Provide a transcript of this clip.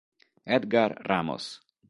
Edgar Ramos